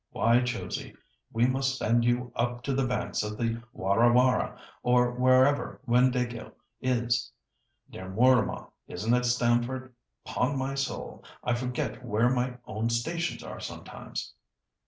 Why, Josie, we must send you up to the banks of the Warra Warra, or wherever Windāhgil is. Near Mooramah, isn't it, Stamford? 'Pon my soul! I forget where my own stations are sometimes."